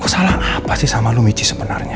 kok salah apa sih sama lo michi sebenarnya